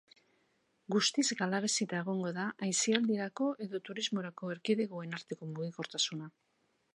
Guztiz galarazita egongo da aisialdirako edo turismorako erkidegoen arteko mugikortasuna.